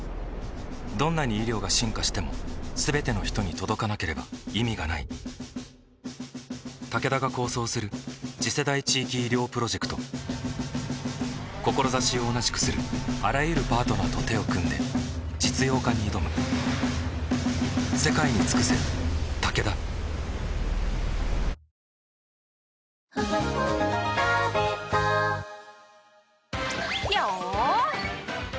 どんなに医療が進化しても全ての人に届かなければ意味がないタケダが構想する次世代地域医療プロジェクト志を同じくするあらゆるパートナーと手を組んで実用化に挑むスタート！